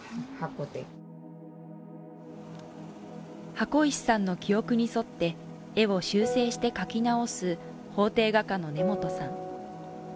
箱石さんの記憶に沿って、絵を修正して描き直す法廷画家の根本さん。